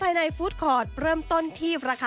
เป็นอย่างไรนั้นติดตามจากรายงานของคุณอัญชาฬีฟรีมั่วครับ